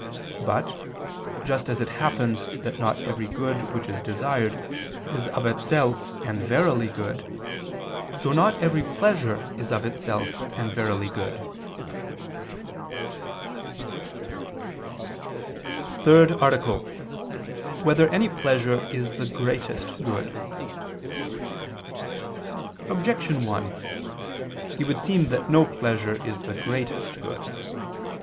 But, just as it happens that not every good which is desired, is of itself and verily good; so not every pleasure is of itself and verily good. ________________________ THIRD ARTICLE [I II, Q. 34, Art. 3] Whether Any Pleasure Is the Greatest Good? Objection 1: It would seem that no pleasure is the greatest good.